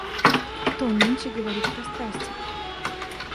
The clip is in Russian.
Кто нынче говорит про страсти?